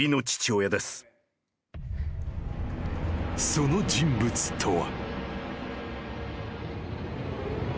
・［その人物とは］